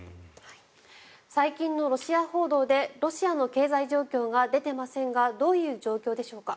最近のロシア報道でロシアの経済状況が出ていませんがどういう状況でしょうか？